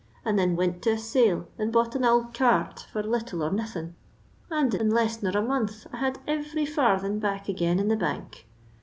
and thin wint to a sale and bought an ould cart for little or Botbin, and in less nor a month I had every &rthin back again in the bank.